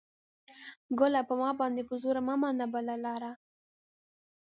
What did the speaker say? ګله ! په ما باندې په زور مه منه بله لاره